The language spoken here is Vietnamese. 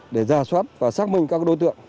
để ra soát và xác minh các đối tượng